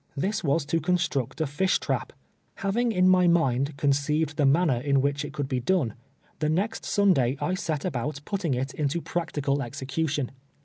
This M'as to construct a fish trap, llaviiif; , ill my iniiicl, conceived the manner in which it coukl be done, tlie next Sunday I set about putting it intu i>ractieal execution.